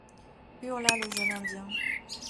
hurla le jeune Indien.